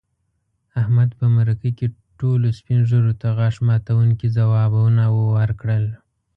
احمد په مرکه کې ټولو سپین ږیرو ته غاښ ماتونکي ځوابوه ورکړل.